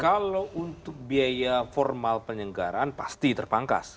kalau untuk biaya formal penyelenggaraan pasti terpangkas